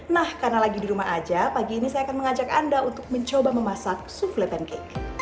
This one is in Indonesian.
nah karena lagi di rumah aja pagi ini saya akan mengajak anda untuk mencoba memasak souffle pancake